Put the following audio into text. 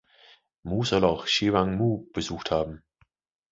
Mu soll auch Xi Wang Mu besucht haben.